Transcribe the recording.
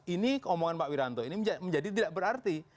ini keomongan pak wiranto ini menjadi tidak berarti